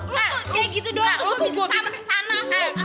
lo tuh kayak gitu doang tuh gue bisa samet samet